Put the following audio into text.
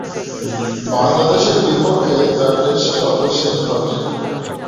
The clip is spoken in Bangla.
বাংলাদেশের বিপক্ষে তার টেস্টে অভিষেক ঘটে।